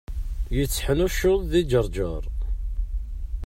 Yetteḥnuccuḍ di Ǧerǧer.